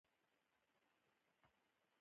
چې د واک د غصب او ظلم پر وړاندې سپر شي.